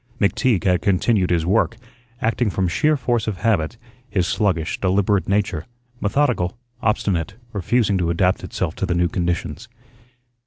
McTeague had continued his work, acting from sheer force of habit; his sluggish, deliberate nature, methodical, obstinate, refusing to adapt itself to the new conditions.